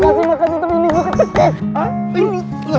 terima kasih makasih tapi ini juga